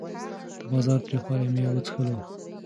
د بازار تریخوالی مې وڅکلو.